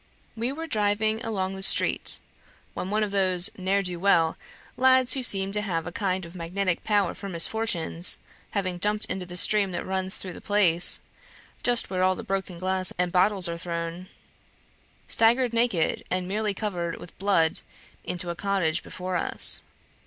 We were driving along the street, when one of those ne'er do weel lads who seem to have a kind of magnetic power for misfortunes, having jumped into the stream that runs through the place, just where all the broken glass and bottles are thrown, staggered naked and nearly covered with blood into a cottage before us.